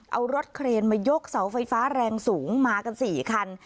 เอารถเครนมายกเสาไฟฟ้าแรงสูงมากัน๔คัน